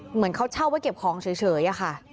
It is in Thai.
เหมือนเขาเช่าไว้เก็บของเฉยอะค่ะ